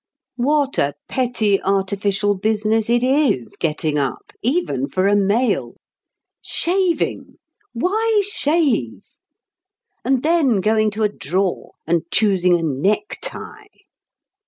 What a petty artificial business it is, getting up, even for a male! Shaving! Why shave? And then going to a drawer and choosing a necktie.